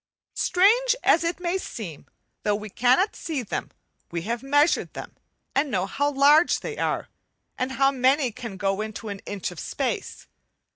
Strange as it may seem, though we cannot see them we have measured them and know how large they are, and how many can go into an inch of space.